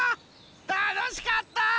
たのしかった！